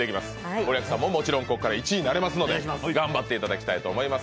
森脇さんももちろんここから１位になれますので頑張っていただきたいと思います。